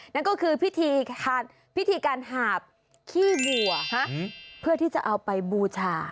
นั่นก็คือพิธีการหาบขี้วัวเพื่อที่จะเอาไปบูชา